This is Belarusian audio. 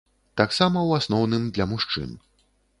Таксама ў асноўным для мужчын.